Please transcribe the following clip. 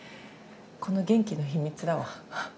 この元気の秘密だわ。